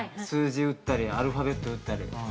数字打ったり、アルファベット打ったり。